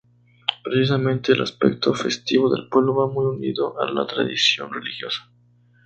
Precisamente el aspecto festivo del pueblo va muy unido a la tradición religiosa.